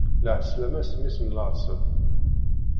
Lɛeslama s mmi-s n laṣel.